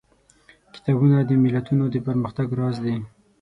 کتابونه د ملتونو د پرمختګ راز دي.